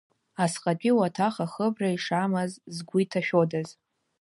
Асҟатәи уаҭах ахыбра ишамаз згәы иҭашәодаз.